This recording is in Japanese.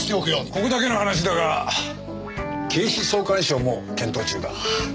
ここだけの話だが警視総監賞も検討中だ。